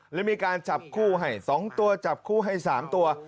แล้วมีการจับคู่ให้๒ตัวจับคู่ให้๓ตัว